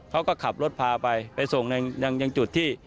เขาก็ขับรถพาไปไปส่งยังจุดที่